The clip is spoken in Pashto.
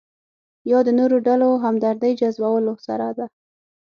یا د نورو ډلو همدردۍ جذبولو سره ده.